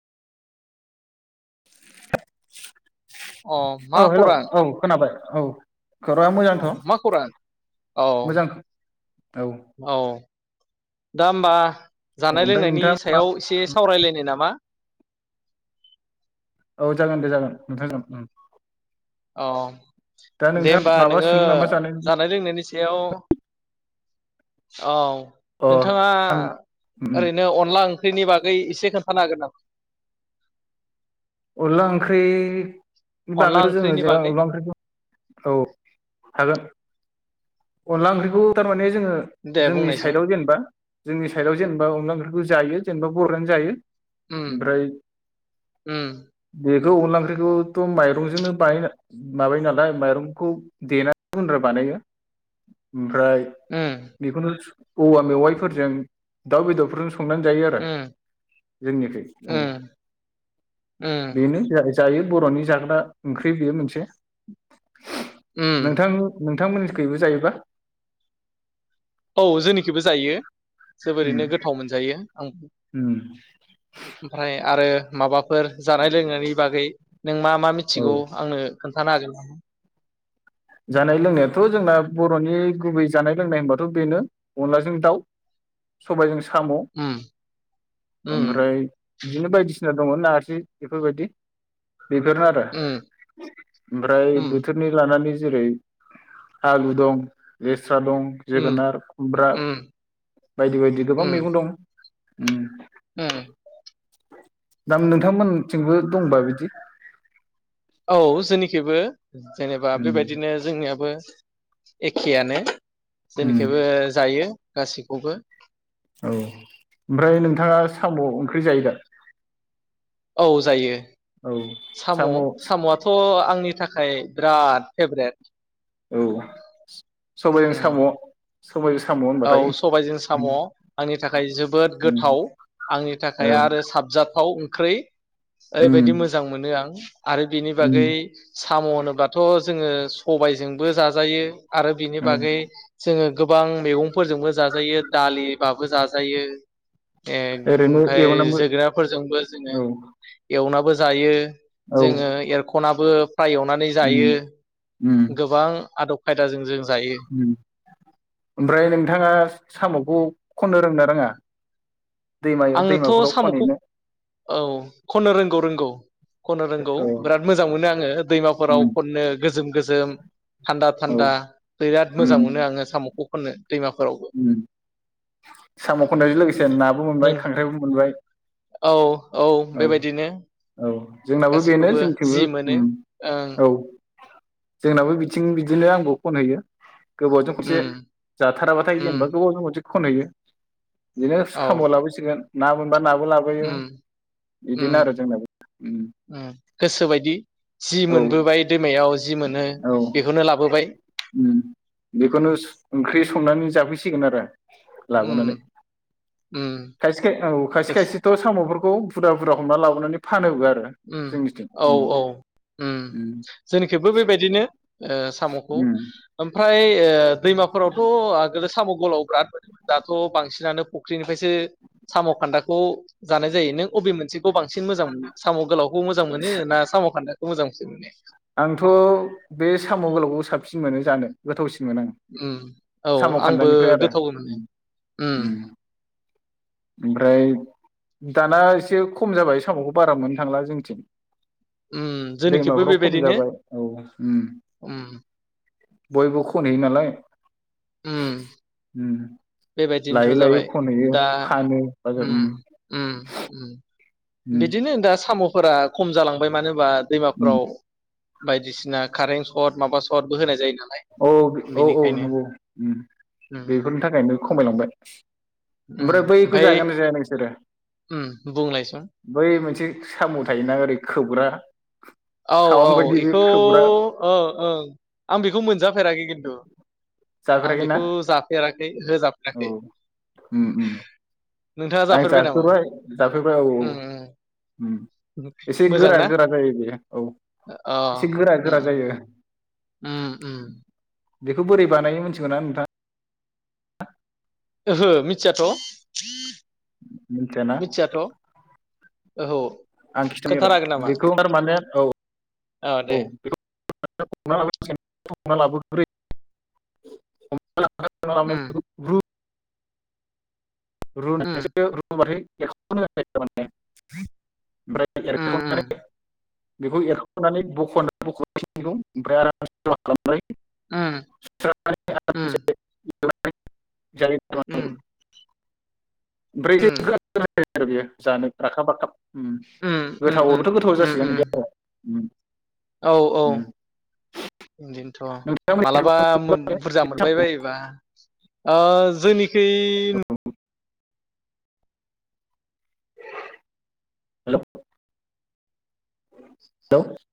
अ [unintelligible] मा औ हेलौ खौरां औ खोनाबाय। औ खौराङा मोजांथ' औ मा खौरां? औ मोजां औ औ दा ओमबा जानाय ओमफ्राय लोंनायनि नोंथाङा मा सायाव एसे सावरायलायनो नामा? औ जागोन दे जागोन नोंथां ओं ओं। अ दे होनबा माबा नोङो सोंनो नामा जानो जानाय लोंनायनि सायाव औ अ नोंथाङा आं उम ओरैनो अनला ओं ख्रिनि बागै एसे खोन्थानो हागोन नामा अनला ओंख्रि नि अनला बागैबो जोङो ओंख्रिनि जे बागै अनला ओंख्रिखौ औ हागोन अनला ओंख्रिखौ थारमाने जोङो दे जोंनि बुंनायसुन साइदाव जेनबा जोंनि साइदाव जेनबा अनला ओं जायो जेनबा बर'आनो जायो उम ओमफ्राय उम ब [unintelligible] बेखौ अनला ओंख्रिखौथ' माइरंजोंनो बा माबायो नालाय माइरंखौ देनानै गुन्द्रा बानायो [inaudible] ओमफ्राय उम बेखौनो औवा मेवाइफोरजों दाउ बेदरफोरजों स संनानै जायो आरो उम जोंनिफ्राय सङो, उम उम बेनो जायो बर'नि जाग्रा ओंख्रि बेयो मोनसे [unintelligible] उम नोंथां नों नोंथांमोन खैबो जायोबा औ जोंनिखैबो जायो उम जोबोरैनो गोथाव मोनजायो । उम आं ओमफ्राय आरो माबाफोर जानाय लोंनायनि बागै नों मा मा औ मिथिगौ आंनो खोनथानो हागोन ना? जानाय लोंनायाथ' जोंना बर'नि गुबै जानाय लोंनाय होनबाथ' बेनो अनलाजों दाउ, सबाइजों साम' उम उम ओमफ्राय बिदिनो बायदिसिना सिना दङ' नारजि बेफोरबायदि बेफोरनो आरो उम ओमफ्राय उम बोथोरनि लानानै जेरै आलु दं [unintelligible] स्रा दं, उम जोगोनार, खुमब्रा उम बायदि बायदि गोबां उम मैगं दं ओम उम दाम नोंथांमोनथिंबो दंबा बिदि औ जोंनिखैबो जेनेबा उम बेबायदिनो जोंनियाबो एखेयानो उम जोंनिखैबो जायो। गासैखौबो औ ओमफ्राय नोंथाङा साम'ओंख्रि जायो दा? औ जायो औ । साम' साम'आथ आंनि थाखाय खाय बिराद फेभरेट। औ सबायाइजों उम साम'। सबायजों साम' औ होनबाथाय सबायजों साम' उम आंनि थाखाय जोबोद उम गोथाव आंनि थाखाय औ आरो साबजाथाव ख्रि उम ओरैबायदि मोजां मोनो आं आरो बिनि बागै उम साम' होनोबाथ जोङो सबायजोंबो जाजायो आरो बिनि औ बागै जोङो गोबां मैगं फोरजोंबो जाजायो दालिबाबो जाजायो ए ओरैनो ओमफ्राय एवनांबो जोगोनारफोरजोंबो जोङो औ एवनाबो जा जायो औ जोङो एरखनाबो फ्राइ एवनानै जायो उम गोबां आदब खायदाजों जों जायो ओम ओमफ्राय नों - नोंथाङा साम'खौ खननो रोङो ना रोङा? दैमायाव आङोथ दैमाफोराव साम'खौ खनहैनो औ खननो रोंगौ रोंगौ। खननो रोंगौ औ बिराद मोजां मोनो आङो दैमाफोराव उम खननो गोजोम गोजोम थानदा औ थानदा बिराद मोजां मोनो आङो साम खौ खननो। दैमाफोरावबो ओम साम' खननायजों लोगोसे ना बो मोनबाय नों खांख्राइबो मोनबाय औ औ बेबायदिनो औ जोंनाबो बेनो गासैखौबो जोंथिबो जि मोनो उम ओं औ। जोंनाबो बिथिं बिदिनो आंबो खनहैयो। गोबावजों खनसे उम जाथाराबाथाय जेनेबा उम गोबावजों खनसे खनहैयो। बिदिनो औ साम' लाबोसिगोन ना मोन बा नाबो लाबोयो उम उम बिदिनो आरो जोंनाबो। उम गोसोबायदि जि औ मोनबोबाय दैमायाव जि मोनो औ बेखौनो लाबोबाय ओम बेखौनो ओंख्रि संनानै जाफैसिगोन आरो। लाबोनानै उम उम खायसे खाय औ खायसे खायसेथ' साम'फोर खौ बुरा बुरा हमना लाबोनानै फा ओम औ औ ओम उम जोंनिखैबो बेबायदिनो ओ साम'खौ उम ओमफ्राय ए दैमाफोरावथ आगोलो साम' गलाव बिराद मोनोमोन दाथ' बांसिनानो फ फुख्रिनिफ्रायसो साम' खान्दाखौ जानाय जायो नों बबे मोनसे खौ बांसिन मोजां मोनो? साम' गोलावखौ मोजां मोनो ना साम' खान्दा? मोजांसिन मोनो। आंथ' बे साम' गोलावखौ साबसिन मोनो जानो गोथौसिन ओम औ आंबो आरो गोथाव मोनो उम ओम उम ओमफ्राय दाना एसे खम जाबाय साम'खौ बारा मोननो थांला जोंनिथिं। ओम जोंनिखैबो बे खम जाबाय औ ओम बयबो खनहैयो नालाय ओम ओम बेबायदिनोथ जाबाय दा फानो बाजार उम ओम ओम ओम। उम बिदिनो दा साम' फोरा खम जालांबाय मानो होनबा उम दैमाफ्राव बायदिसिना कारेन्ट सर्ट माबा सर्टबो होनाय जायो नालाय औ औ औ औ बेनिखायनो नंगौ उम बेफोरनि थाखायनो खमायलांबाय उम ओमफ्राय बैखौ ओमफाय जागोना जाया नोंसोरो उम बुंलायसं बै मोनसे साम थायोना ओरै खोबग्रा औ खावां औ बायदि बे इखौ खोबग्रा ओ ओं आं बे खौ मोनजाफेराखै खिन्थु आं जाफेराखैना बेखौ जाफेराखै औ होजाफेराखै उम उम नोंथाङा आं जाफेरबाय नामा? जाफाय जाफेरबाय औ औ उम उम एसे मोजां गोरा ना गोरा जायो बेयो औ अ एसे गोरा उम गोरा जायो उम उम बेखौ बोरै बानायनो मिथिगौना नोंथाङा? ओहो मिथियाथ मिथिया ना? ओहो आं खिथानि र बेखौ थारमाने औ औ दे [unintelligible] उम [unintelligible] उम रुनानैसो रुबाथाय [unintelligible] माने ओमफ्राय उम उम एरखावनानै बेखौ एरखनानै बखफिननांगौ उम उम [unintelligible] [unintelligible] [unintelligible] जायो उम बै जे उम [unintelligible] बेयो जानो राखाब राखाब उम उम उम उम गोथावबोथ गोथाव जासिगोन बिदि उम आरो उम औ औ उम बिदिनो थ मालाबा नोंथांमोननि बुरजा मोनबाय बायोबा ओ जोंनि बै हेलौ हेलौ